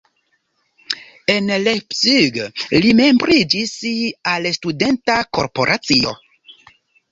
En Leipzig li membriĝis al studenta korporacio.